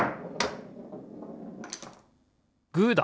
グーだ！